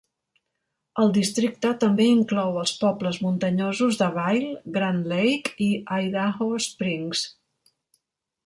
El districte també inclou els pobles muntanyosos de Vail, Grand Lake i Idaho Springs.